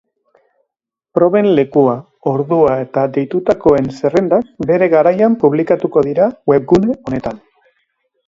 Proben lekua, ordua eta deitutakoen zerrendak bere garaian publikatuko dira webgune honetan.